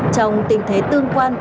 trong tình thế tương quan